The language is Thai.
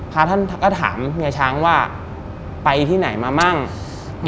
พระท่านก็ถามเฮียช้างว่าไปที่ไหนมามั่ง